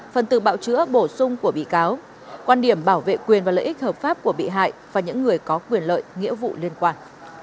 phần từ bảo chữa bổ sung của bị cáo quan điểm bảo vệ quyền và lợi ích hợp pháp của bị hại và những người có quyền lợi nghĩa vụ liên quan